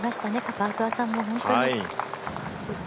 パウトワさんも本当に。